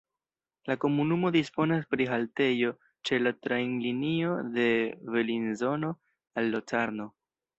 La komunumo disponas pri haltejo ĉe la trajnlinio de Belinzono al Locarno.